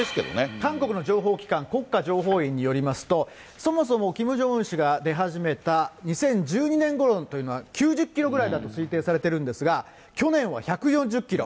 韓国の情報機関、国家情報院によりますと、そもそもキム・ジョンウン氏が出始めた２０１２年ごろというのは、９０キロぐらいだと推定されているんですが、去年は１４０キロ。